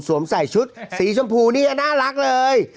ใส่ชุดสีชมพูนี่น่ารักเลย